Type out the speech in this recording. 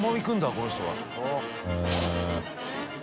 この人は。